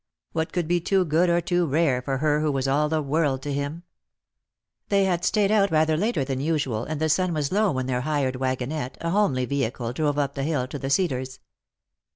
"What could be too good or too rare for her who was all the world to him ? They had stayed out rather later than usual, and the sun was low when their hired wagonette, a homely vehicle, drove up the hill to the Cedars.